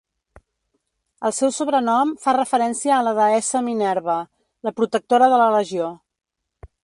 El seu sobrenom fa referència a la deessa Minerva, la protectora de la legió.